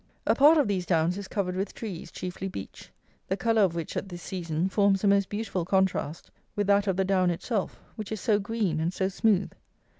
A part of these downs is covered with trees, chiefly beech, the colour of which, at this season, forms a most beautiful contrast with that of the down itself, which is so green and so smooth!